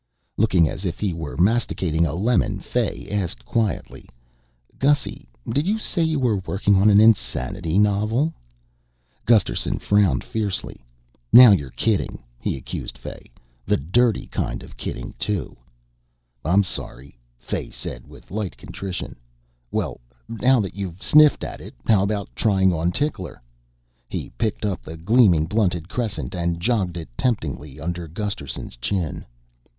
Looking as if he were masticating a lemon, Fay asked quietly, "Gussy, did you say you're working on an insanity novel?" Gusterson frowned fiercely. "Now you're kidding," he accused Fay. "The dirty kind of kidding, too." "I'm sorry," Fay said with light contrition. "Well, now you've sniffed at it, how about trying on Tickler?" He picked up the gleaming blunted crescent and jogged it temptingly under Gusterson's chin.